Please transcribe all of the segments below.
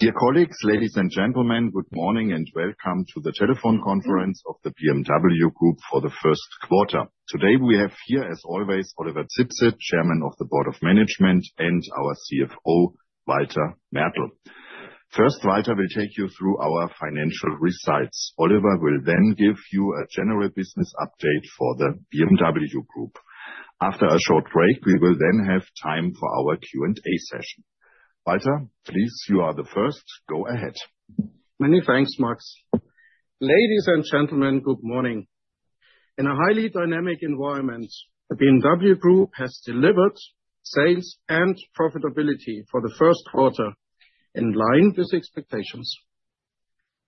Dear colleagues, ladies and gentlemen, good morning and welcome to the telephone conference of the BMW Group for the first quarter. Today we have here, as always, Oliver Zipse, Chairman of the Board of Management, and our CFO, Walter Mertl. First, Walter will take you through our financial results. Oliver will then give you a general business update for the BMW Group. After a short break, we will then have time for our Q&A session. Walter, please, you are the first. Go ahead. Many thanks, Max. Ladies and gentlemen, good morning. In a highly dynamic environment, the BMW Group has delivered sales and profitability for the first quarter in line with expectations.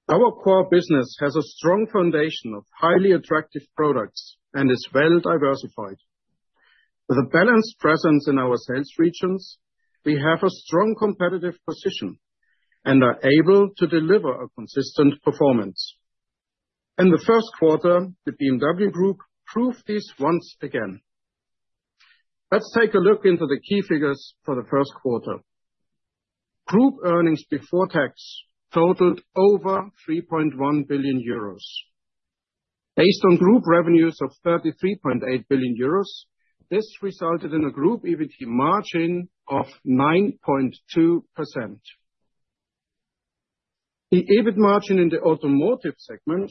Our core business has a strong foundation of highly attractive products and is well diversified. With a balanced presence in our sales regions, we have a strong competitive position and are able to deliver a consistent performance. In the first quarter, the BMW Group proved this once again. Let's take a look into the key figures for the first quarter. Group earnings before tax totaled over 3.1 billion euros. Based on group revenues of 33.8 billion euros, this resulted in a group EBITDA margin of 9.2%. The EBIT margin in the automotive segment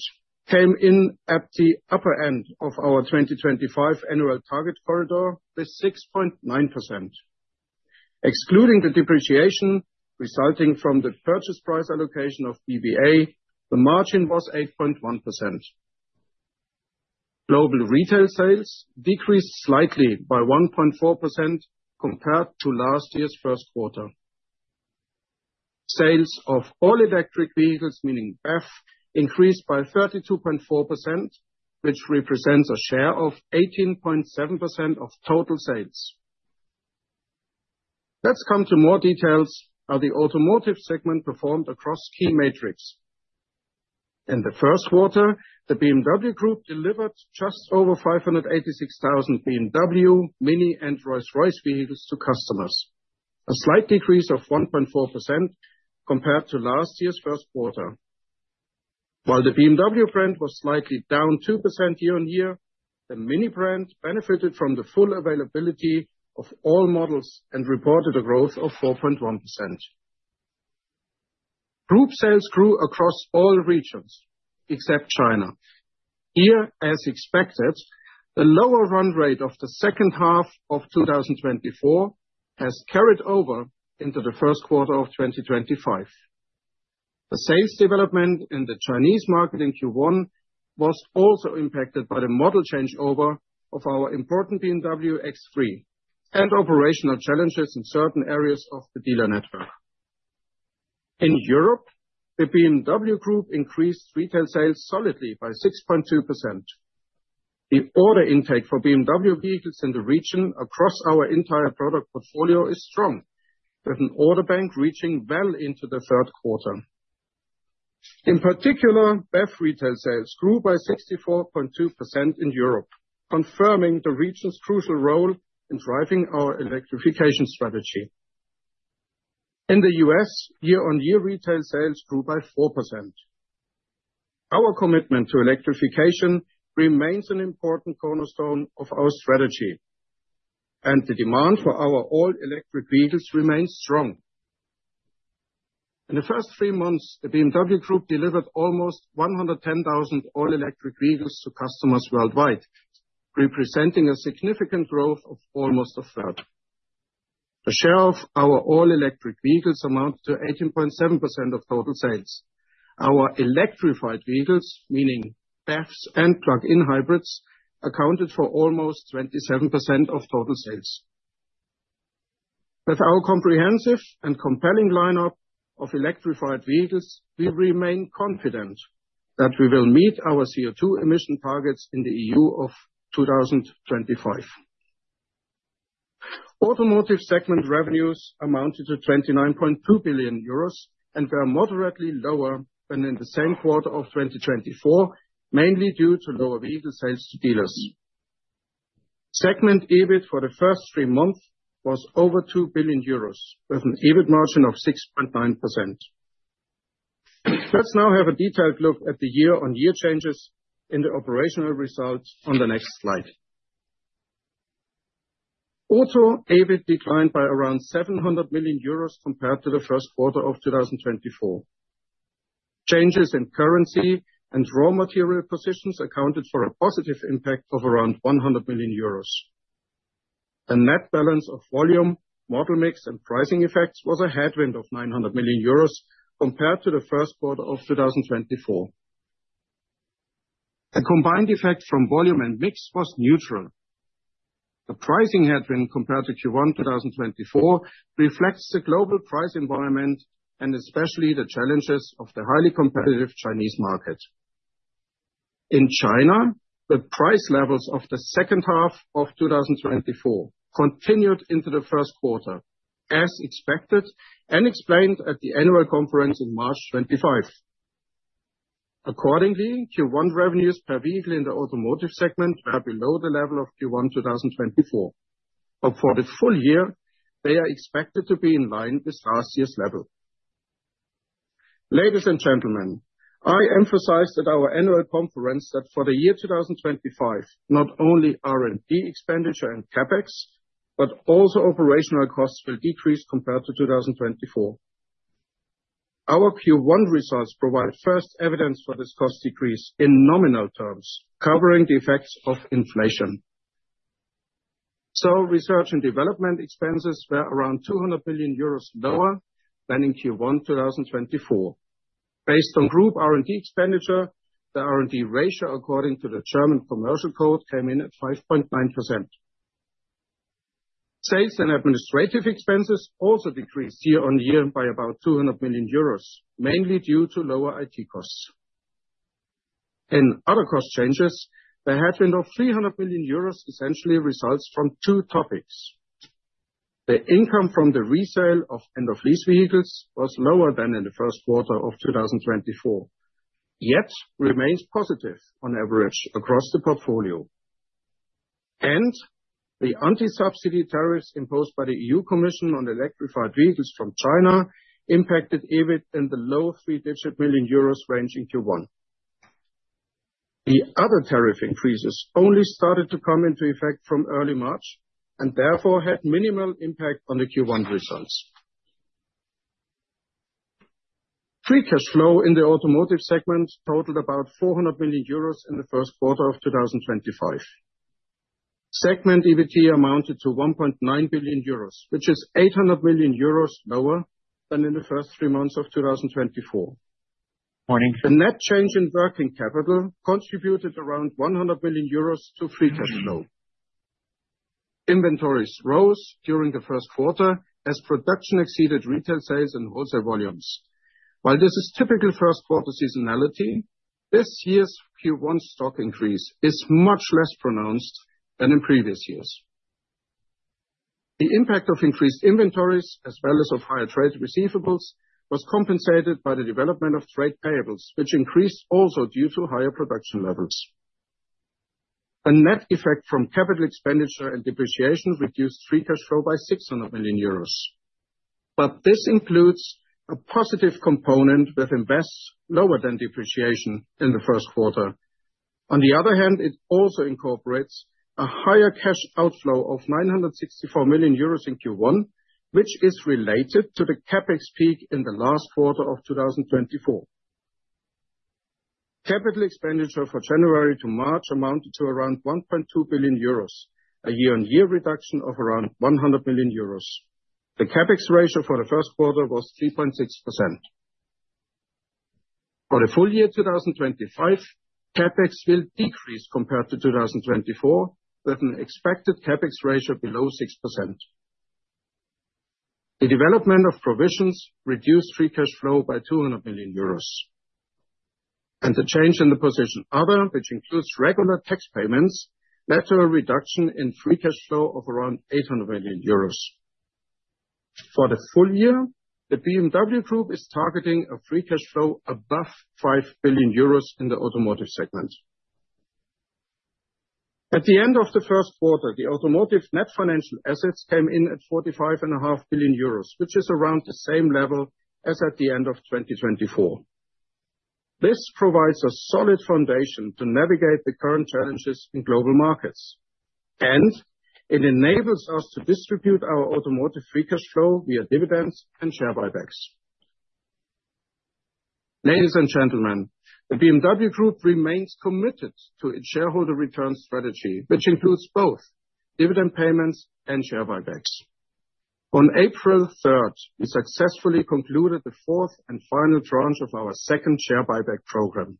came in at the upper end of our 2025 annual target corridor with 6.9%. Excluding the depreciation resulting from the purchase price allocation of BBA, the margin was 8.1%. Global retail sales decreased slightly by 1.4% compared to last year's first quarter. Sales of all electric vehicles, meaning BEV, increased by 32.4%, which represents a share of 18.7% of total sales. Let's come to more details on how the automotive segment performed across key metrics. In the first quarter, the BMW Group delivered just over 586,000 BMW, MINI, and Rolls-Royce vehicles to customers, a slight decrease of 1.4% compared to last year's first quarter. While the BMW brand was slightly down 2% year-on-year, the MINI brand benefited from the full availability of all models and reported a growth of 4.1%. Group sales grew across all regions except China. Here, as expected, the lower run rate of the second half of 2024 has carried over into the first quarter of 2025. The sales development in the Chinese market in Q1 was also impacted by the model changeover of our important BMW X3 and operational challenges in certain areas of the dealer network. In Europe, the BMW Group increased retail sales solidly by 6.2%. The order intake for BMW vehicles in the region across our entire product portfolio is strong, with an order bank reaching well into the third quarter. In particular, BEV retail sales grew by 64.2% in Europe, confirming the region's crucial role in driving our electrification strategy. In the U.S., year-on-year retail sales grew by 4%. Our commitment to electrification remains an important cornerstone of our strategy, and the demand for our all-electric vehicles remains strong. In the first three months, the BMW Group delivered almost 110,000 all-electric vehicles to customers worldwide, representing a significant growth of almost a third. The share of our all-electric vehicles amounted to 18.7% of total sales. Our electrified vehicles, meaning BEVs and plug-in hybrids, accounted for almost 27% of total sales. With our comprehensive and compelling lineup of electrified vehicles, we remain confident that we will meet our CO2 emission targets in the EU of 2025. Automotive segment revenues amounted to 29.2 billion euros, and they are moderately lower than in the same quarter of 2024, mainly due to lower vehicle sales to dealers. Segment EBIT for the first three months was over 2 billion euros, with an EBIT margin of 6.9%. Let's now have a detailed look at the year-on-year changes in the operational results on the next slide. Auto EBIT declined by around 700 million euros compared to the first quarter of 2024. Changes in currency and raw material positions accounted for a positive impact of around 100 million euros. The net balance of volume, model mix, and pricing effects was a headwind of 900 million euros compared to the first quarter of 2024. The combined effect from volume and mix was neutral. The pricing headwind compared to Q1 2024 reflects the global price environment and especially the challenges of the highly competitive Chinese market. In China, the price levels of the second half of 2024 continued into the first quarter, as expected and explained at the annual conference in March 2025. Accordingly, Q1 revenues per vehicle in the automotive segment were below the level of Q1 2024, but for the full year, they are expected to be in line with last year's level. Ladies and gentlemen, I emphasized at our annual conference that for the year 2025, not only R&D expenditure and CapEx, but also operational costs will decrease compared to 2024. Our Q1 results provide first evidence for this cost decrease in nominal terms, covering the effects of inflation. Research and development expenses were around 200 million euros lower than in Q1 2024. Based on group R&D expenditure, the R&D ratio according to the German commercial code came in at 5.9%. Sales and administrative expenses also decreased year-on-year by about 200 million euros, mainly due to lower IT costs. In other cost changes, the headwind of 300 million euros essentially results from two topics. The income from the resale of end-of-lease vehicles was lower than in the first quarter of 2024, yet remains positive on average across the portfolio. The anti-subsidy tariffs imposed by the EU Commission on electrified vehicles from China impacted EBIT in the low three-digit million euros range in Q1. The other tariff increases only started to come into effect from early March and therefore had minimal impact on the Q1 results. Free cash flow in the automotive segment totaled about 400 million euros in the first quarter of 2025. Segment EBITDA amounted to 1.9 billion euros, which is 800 million euros lower than in the first three months of 2024. The net change in working capital contributed around 100 million euros to free cash flow. Inventories rose during the first quarter as production exceeded retail sales and wholesale volumes. While this is typical first-quarter seasonality, this year's Q1 stock increase is much less pronounced than in previous years. The impact of increased inventories, as well as of higher trade receivables, was compensated by the development of trade payables, which increased also due to higher production levels. A net effect from capital expenditure and depreciation reduced free cash flow by 600 million euros. This includes a positive component with invests lower than depreciation in the first quarter. On the other hand, it also incorporates a higher cash outflow of 964 million euros in Q1, which is related to the CapEx peak in the last quarter of 2024. Capital expenditure for January to March amounted to around 1.2 billion euros, a year-on-year reduction of around 100 million euros. The CapEx ratio for the first quarter was 3.6%. For the full year 2025, CapEx will decrease compared to 2024, with an expected CapEx ratio below 6%. The development of provisions reduced free cash flow by 200 million euros. The change in the position other, which includes regular tax payments, led to a reduction in free cash flow of around 800 million euros. For the full year, the BMW Group is targeting a free cash flow above 5 billion euros in the automotive segment. At the end of the first quarter, the automotive net financial assets came in at 45.5 billion euros, which is around the same level as at the end of 2024. This provides a solid foundation to navigate the current challenges in global markets, and it enables us to distribute our automotive free cash flow via dividends and share buybacks. Ladies and gentlemen, the BMW Group remains committed to its shareholder return strategy, which includes both dividend payments and share buybacks. On April 3, we successfully concluded the fourth and final tranche of our second share buyback program.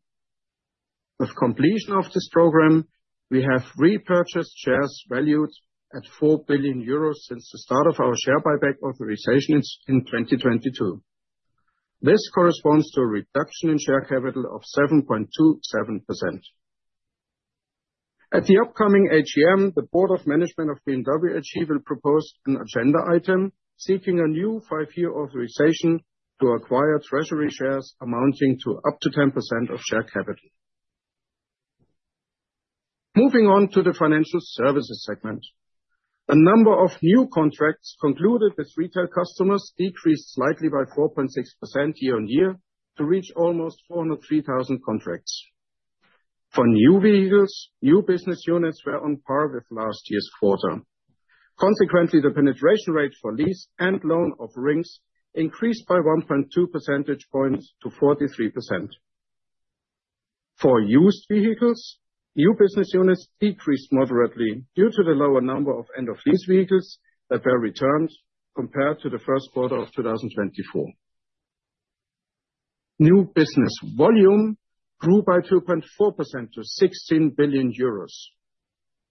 With completion of this program, we have repurchased shares valued at 4 billion euros since the start of our share buyback authorization in 2022. This corresponds to a reduction in share capital of 7.27%. At the upcoming AGM, the Board of Management of BMW Group will propose an agenda item seeking a new five-year authorization to acquire treasury shares amounting to up to 10% of share capital. Moving on to the financial services segment, a number of new contracts concluded with retail customers decreased slightly by 4.6% year-on-year to reach almost 403,000 contracts. For new vehicles, new business units were on par with last year's quarter. Consequently, the penetration rate for lease and loan offerings increased by 1.2 percentage points to 43%. For used vehicles, new business units decreased moderately due to the lower number of end-of-lease vehicles that were returned compared to the first quarter of 2024. New business volume grew by 2.4% to 16 billion euros,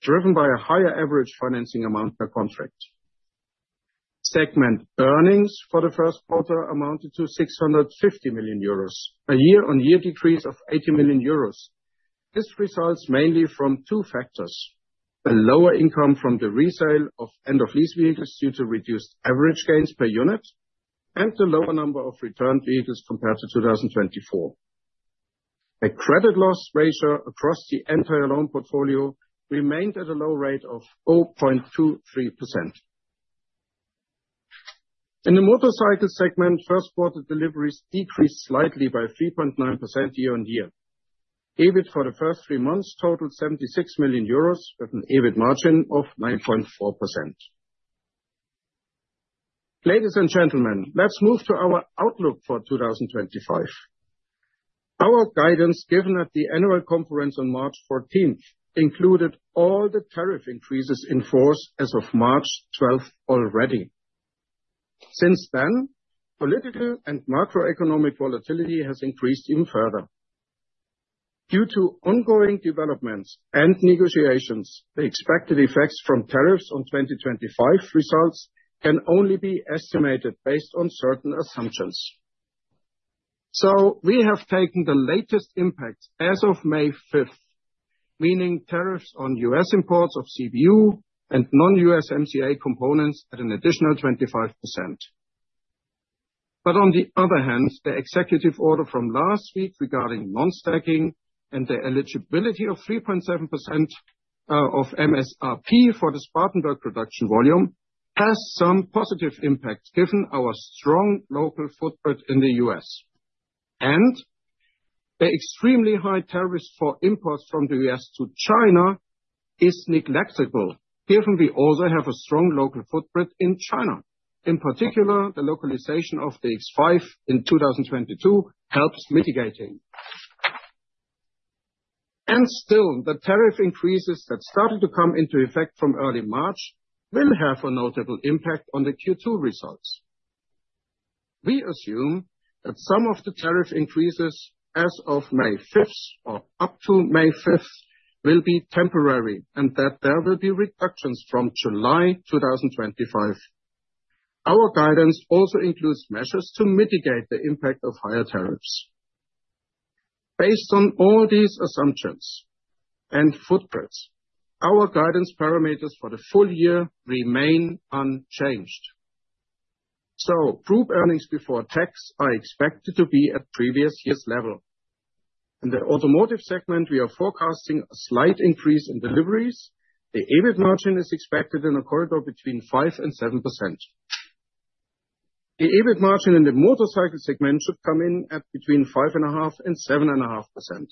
driven by a higher average financing amount per contract. Segment earnings for the first quarter amounted to 650 million euros, a year-on-year decrease of 80 million euros. This results mainly from two factors: a lower income from the resale of end-of-lease vehicles due to reduced average gains per unit and the lower number of returned vehicles compared to 2024. The credit loss ratio across the entire loan portfolio remained at a low rate of 0.23%. In the motorcycle segment, first-quarter deliveries decreased slightly by 3.9% year-on-year. EBIT for the first three months totaled 76 million euros, with an EBIT margin of 9.4%. Ladies and gentlemen, let's move to our outlook for 2025. Our guidance given at the annual conference on March 14 included all the tariff increases in force as of March 12 already. Since then, political and macroeconomic volatility has increased even further. Due to ongoing developments and negotiations, the expected effects from tariffs on 2025 results can only be estimated based on certain assumptions. We have taken the latest impact as of May 5, meaning tariffs on U.S. imports of CBU and non-U.S. MCA components at an additional 25%. On the other hand, the executive order from last week regarding non-stacking and the eligibility of 3.7% of MSRP for the Spartanburg production volume has some positive impact given our strong local footprint in the U.S. The extremely high tariffs for imports from the U.S. to China are negligible given we also have a strong local footprint in China. In particular, the localization of the X5 in 2022 helps mitigate it. Still, the tariff increases that started to come into effect from early March will have a notable impact on the Q2 results. We assume that some of the tariff increases as of May 5 or up to May 5 will be temporary and that there will be reductions from July 2025. Our guidance also includes measures to mitigate the impact of higher tariffs. Based on all these assumptions and footprints, our guidance parameters for the full year remain unchanged. Group earnings before tax are expected to be at previous year's level. In the automotive segment, we are forecasting a slight increase in deliveries. The EBIT margin is expected in a corridor between 5%-7%. The EBIT margin in the motorcycle segment should come in at between 5.5%-7.5%.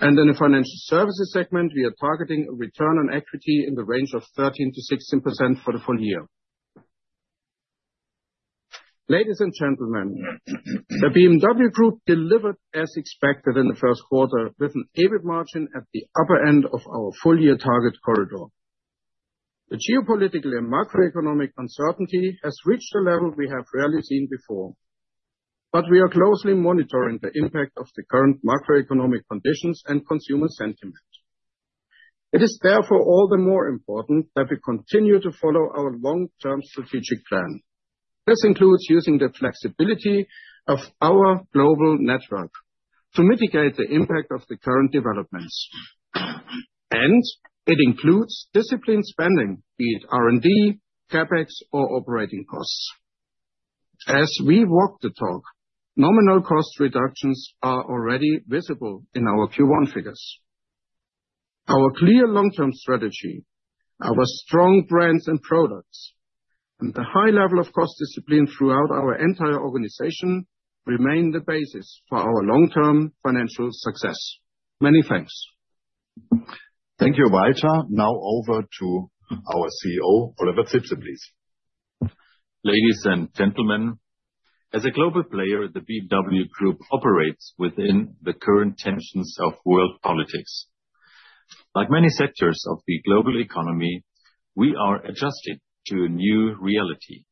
In the financial services segment, we are targeting a return on equity in the range of 13%-16% for the full year. Ladies and gentlemen, the BMW Group delivered as expected in the first quarter, with an EBIT margin at the upper end of our full-year target corridor. The geopolitical and macroeconomic uncertainty has reached a level we have rarely seen before, but we are closely monitoring the impact of the current macroeconomic conditions and consumer sentiment. It is therefore all the more important that we continue to follow our long-term strategic plan. This includes using the flexibility of our global network to mitigate the impact of the current developments. It includes disciplined spending, be it R&D, CapEx, or operating costs. As we walk the talk, nominal cost reductions are already visible in our Q1 figures. Our clear long-term strategy, our strong brands and products, and the high level of cost discipline throughout our entire organization remain the basis for our long-term financial success. Many thanks. Thank you, Walter. Now over to our CEO, Oliver Zipse, please. Ladies and gentlemen, as a global player, the BMW Group operates within the current tensions of world politics. Like many sectors of the global economy, we are adjusting to a new reality,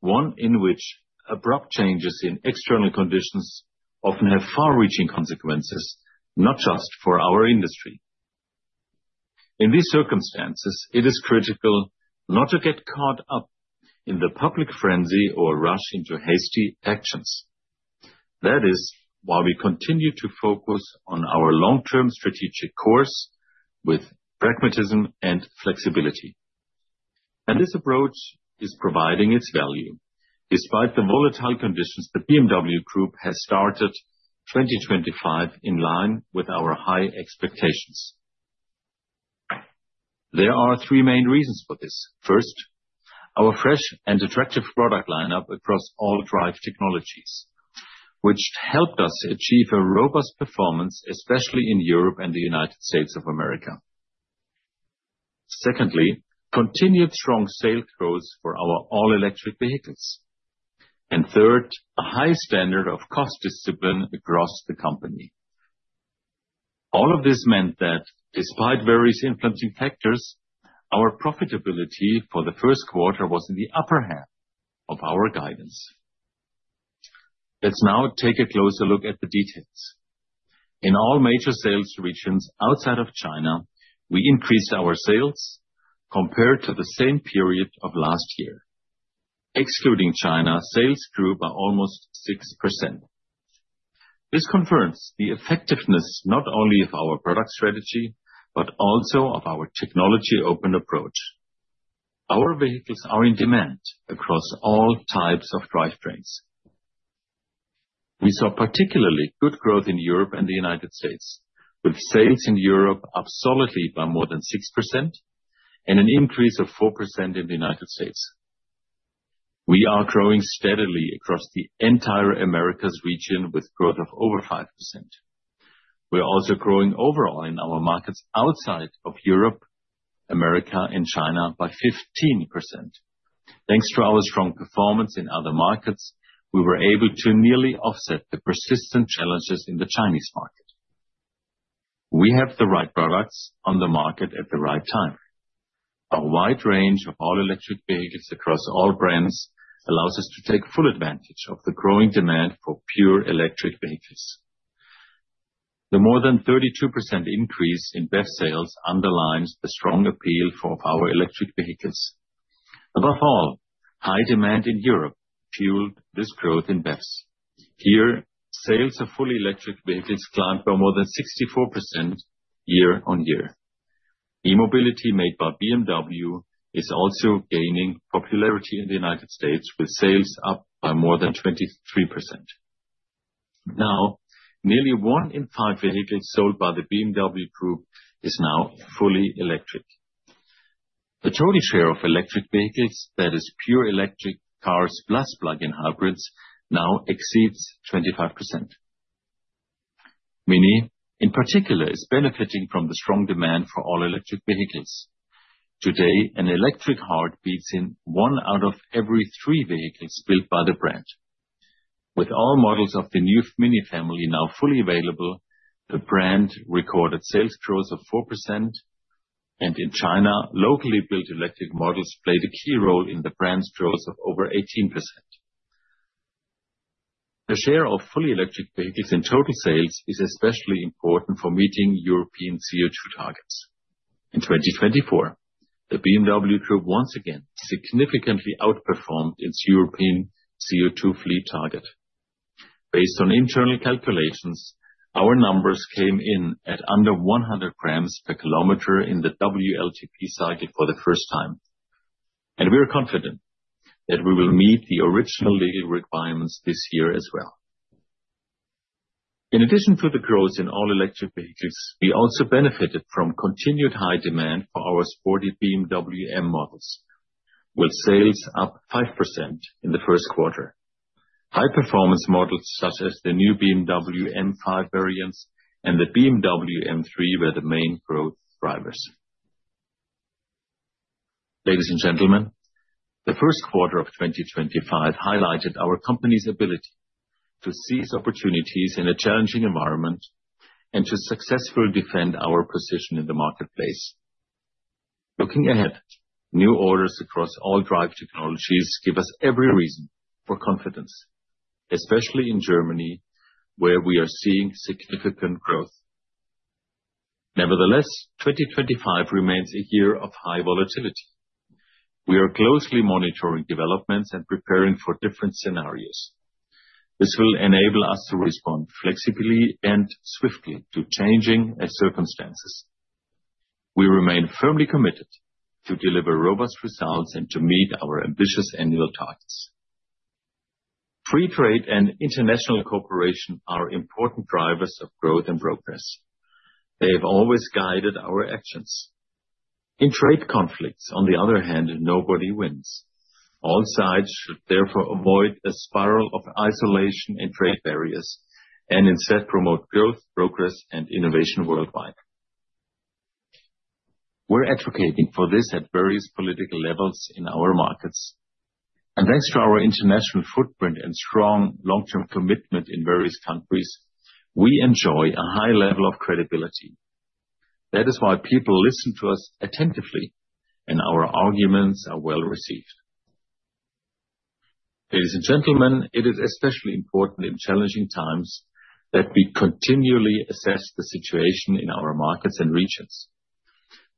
one in which abrupt changes in external conditions often have far-reaching consequences, not just for our industry. In these circumstances, it is critical not to get caught up in the public frenzy or rush into hasty actions. That is why we continue to focus on our long-term strategic course with pragmatism and flexibility. This approach is providing its value despite the volatile conditions. The BMW Group has started 2025 in line with our high expectations. There are three main reasons for this. First, our fresh and attractive product lineup across all drive technologies, which helped us achieve a robust performance, especially in Europe and the United States of America. Secondly, continued strong sales growth for our all-electric vehicles. Third, a high standard of cost discipline across the company. All of this meant that despite various influencing factors, our profitability for the first quarter was in the upper hand of our guidance. Let's now take a closer look at the details. In all major sales regions outside of China, we increased our sales compared to the same period of last year. Excluding China, sales grew by almost 6%. This confirms the effectiveness not only of our product strategy, but also of our technology-opened approach. Our vehicles are in demand across all types of drivetrains. We saw particularly good growth in Europe and the United States, with sales in Europe up solidly by more than 6% and an increase of 4% in the United States. We are growing steadily across the entire Americas region with growth of over 5%. We're also growing overall in our markets outside of Europe, America, and China by 15%. Thanks to our strong performance in other markets, we were able to nearly offset the persistent challenges in the Chinese market. We have the right products on the market at the right time. A wide range of all-electric vehicles across all brands allows us to take full advantage of the growing demand for pure electric vehicles. The more than 32% increase in BEV sales underlines the strong appeal of our electric vehicles. Above all, high demand in Europe fueled this growth in BEVs. Here, sales of fully electric vehicles climbed by more than 64% year-on-year. E-mobility made by BMW is also gaining popularity in the United States, with sales up by more than 23%. Now, nearly one in five vehicles sold by the BMW Group is now fully electric. The total share of electric vehicles that is pure electric cars plus plug-in hybrids now exceeds 25%. MINI, in particular, is benefiting from the strong demand for all-electric vehicles. Today, an electric heart beats in one out of every three vehicles built by the brand. With all models of the new MINI family now fully available, the brand recorded sales growth of 4%. In China, locally built electric models played a key role in the brand's growth of over 18%. The share of fully electric vehicles in total sales is especially important for meeting European CO2 targets. In 2024, the BMW Group once again significantly outperformed its European CO2 fleet target. Based on internal calculations, our numbers came in at under 100 grams per km in the WLTP cycle for the first time. We are confident that we will meet the original legal requirements this year as well. In addition to the growth in all-electric vehicles, we also benefited from continued high demand for our sporty BMW M models, with sales up 5% in the first quarter. High-performance models such as the new BMW M5 variants and the BMW M3 were the main growth drivers. Ladies and gentlemen, the first quarter of 2025 highlighted our company's ability to seize opportunities in a challenging environment and to successfully defend our position in the marketplace. Looking ahead, new orders across all drive technologies give us every reason for confidence, especially in Germany, where we are seeing significant growth. Nevertheless, 2025 remains a year of high volatility. We are closely monitoring developments and preparing for different scenarios. This will enable us to respond flexibly and swiftly to changing circumstances. We remain firmly committed to deliver robust results and to meet our ambitious annual targets. Free trade and international cooperation are important drivers of growth and progress. They have always guided our actions. In trade conflicts, on the other hand, nobody wins. All sides should therefore avoid a spiral of isolation and trade barriers and instead promote growth, progress, and innovation worldwide. We are advocating for this at various political levels in our markets. Thanks to our international footprint and strong long-term commitment in various countries, we enjoy a high level of credibility. That is why people listen to us attentively and our arguments are well received. Ladies and gentlemen, it is especially important in challenging times that we continually assess the situation in our markets and regions.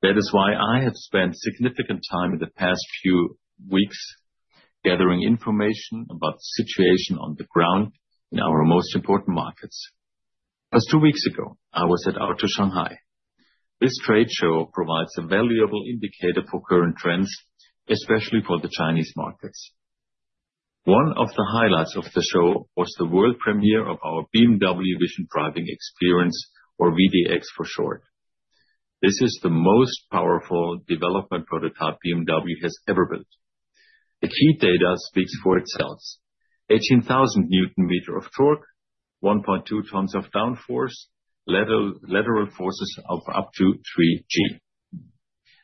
That is why I have spent significant time in the past few weeks gathering information about the situation on the ground in our most important markets. Just two weeks ago, I was at Auto Shanghai. This trade show provides a valuable indicator for current trends, especially for the Chinese markets. One of the highlights of the show was the world premiere of our BMW Vision Driving Experience, or VDX for short. This is the most powerful development prototype BMW has ever built. The key data speaks for itself: 18,000 Nm of torque, 1.2 tons of downforce, lateral forces of up to 3 g.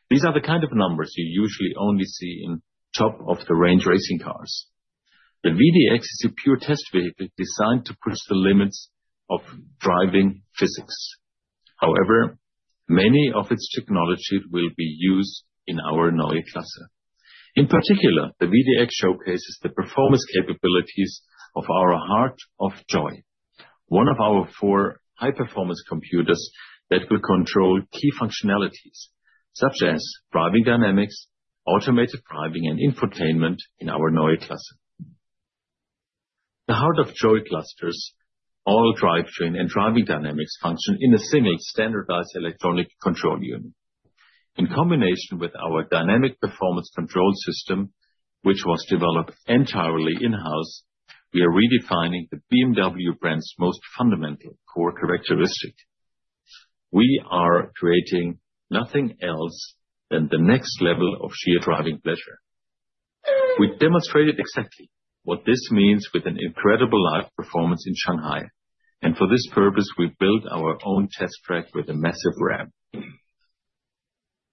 These are the kind of numbers you usually only see in top-of-the-range racing cars. The VDX is a pure test vehicle designed to push the limits of driving physics. However, many of its technologies will be used in our Neue Klasse. In particular, the VDX showcases the performance capabilities of our Heart of Joy, one of our four high-performance computers that will control key functionalities such as driving dynamics, automated driving, and infotainment in our Neue Klasse. The Heart of Joy clusters, all drivetrain and driving dynamics function in a single standardized electronic control unit. In combination with our dynamic performance control system, which was developed entirely in-house, we are redefining the BMW brand's most fundamental core characteristic. We are creating nothing else than the next level of sheer driving pleasure. We demonstrated exactly what this means with an incredible live performance in Shanghai. For this purpose, we built our own test track with a massive ramp.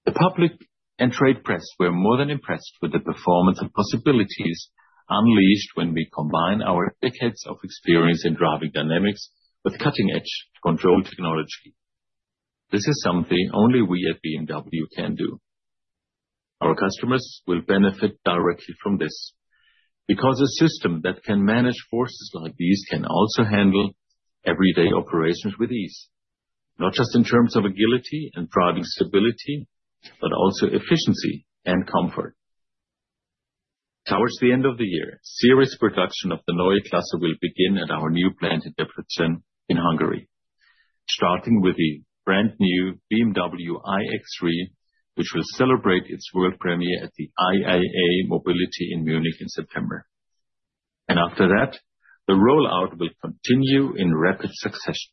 The public and trade press were more than impressed with the performance and possibilities unleashed when we combine our decades of experience in driving dynamics with cutting-edge control technology. This is something only we at BMW can do. Our customers will benefit directly from this because a system that can manage forces like these can also handle everyday operations with ease, not just in terms of agility and driving stability, but also efficiency and comfort. Towards the end of the year, serious production of the Neue Klasse will begin at our new plant in Debrecen, in Hungary, starting with the brand new BMW iX3, which will celebrate its world premiere at the IAA Mobility in Munich in September. After that, the rollout will continue in rapid succession.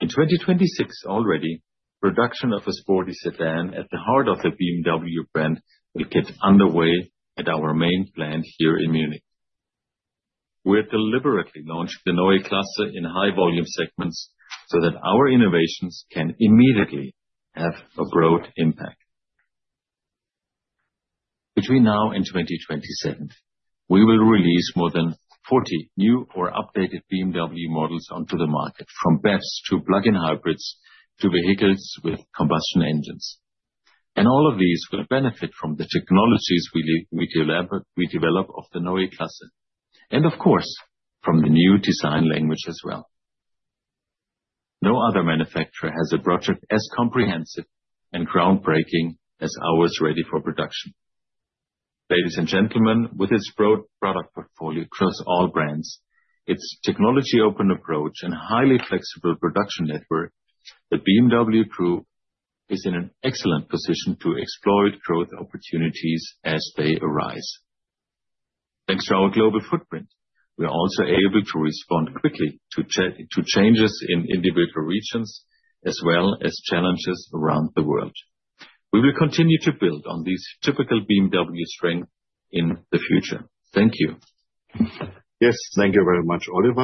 In 2026 already, production of a sporty sedan at the heart of the BMW brand will get underway at our main plant here in Munich. We're deliberately launching the Neue Klasse in high-volume segments so that our innovations can immediately have a broad impact. Between now and 2027, we will release more than 40 new or updated BMW models onto the market, from BEVs to plug-in hybrids to vehicles with combustion engines. All of these will benefit from the technologies we develop of the Neue Klasse. Of course, from the new design language as well. No other manufacturer has a project as comprehensive and groundbreaking as ours ready for production. Ladies and gentlemen, with its broad product portfolio across all brands, its technology-open approach, and highly flexible production network, the BMW Group is in an excellent position to exploit growth opportunities as they arise. Thanks to our global footprint, we are also able to respond quickly to changes in individual regions as well as challenges around the world. We will continue to build on these typical BMW strengths in the future. Thank you. Yes, thank you very much, Oliver.